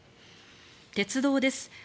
鉄道です。